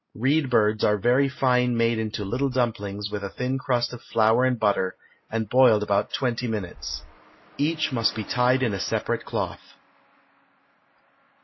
Reed birds are very fine made into little dumplings with a thin crust of flour and butter, and boiled about twenty minutes. Each must be tied in a separate cloth.